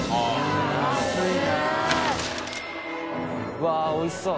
うわぁおいしそう。